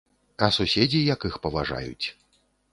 А суседзі як іх паважаюць.